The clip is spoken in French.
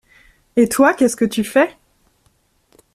Et toi, qu’est-ce que tu fais?